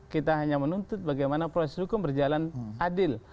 kita hanya menuntut bagaimana proses hukum berjalan adil